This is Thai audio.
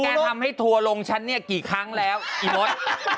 แกทำให้ถั่วลงฉันเนี่ยกี่ครั้งพอเนี่ย